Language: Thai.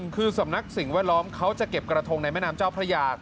คือสำนักสิ่งแวดล้อมเขาจะเก็บกระทงในแม่น้ำเจ้าพระยา